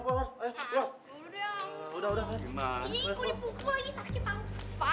ih kok dipukul lagi sakit tau